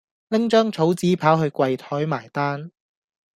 拎張草紙跑去櫃枱埋單